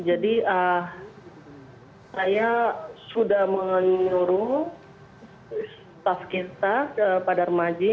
jadi saya sudah menyuruh staff kita pada remaji